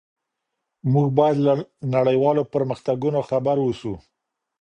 موږ بايد له نړيوالو پرمختګونو خبر اوسو.